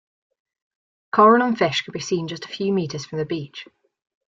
Coral and fish can be seen just a few metres from the beach.